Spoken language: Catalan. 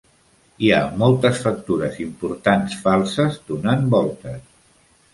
Hi ha moltes factures importants falses donant voltes.